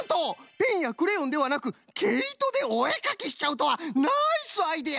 ペンやクレヨンではなくけいとでおえかきしちゃうとはナイスアイデア！